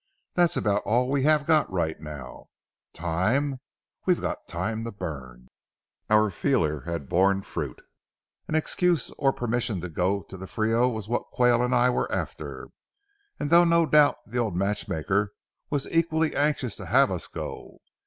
That's about all we have got right now. Time?—we've got time to burn." Our feeler had borne fruit. An excuse or permission to go to the Frio was what Quayle and I were after, though no doubt the old matchmaker was equally anxious to have us go.